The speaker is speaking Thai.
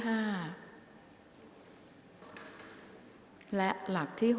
ออกรางวัลเลขหน้า๓ตัวครั้งที่๑ค่ะ